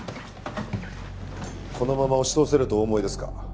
このまま押し通せるとお思いですか？